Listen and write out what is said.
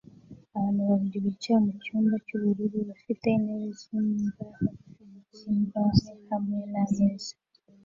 Abantu babiri bicaye mucyumba cyubururu bafite intebe zimbaho zimbaho hamwe nameza